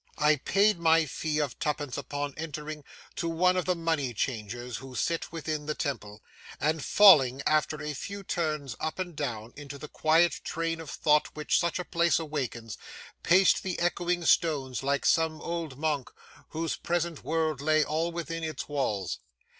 I paid my fee of twopence upon entering, to one of the money changers who sit within the Temple; and falling, after a few turns up and down, into the quiet train of thought which such a place awakens, paced the echoing stones like some old monk whose present world lay all within its walls.